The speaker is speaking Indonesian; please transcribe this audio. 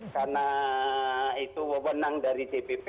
karena itu menang dari dpp